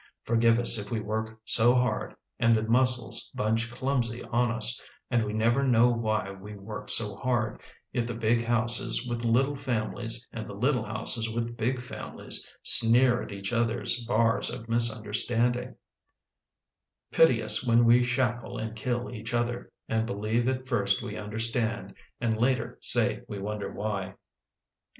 Forgive us if we work so hard And the muscles bunch clumsy on us And we never know why we work so hard — If the big houses with little families And the little houses with big families Sneer at each other's bars of misunderstanding; Pity us when we shackle and kill each other And believe at first we understand And later say we wonder why.